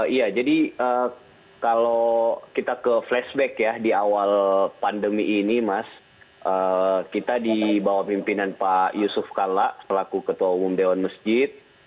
iya jadi kalau kita ke flashback ya di awal pandemi ini mas kita di bawah pimpinan pak yusuf kalla selaku ketua umum dewan masjid